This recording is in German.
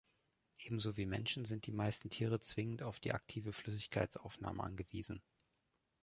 Ebenso wie Menschen sind die meisten Tiere zwingend auf die aktive Flüssigkeitsaufnahme angewiesen.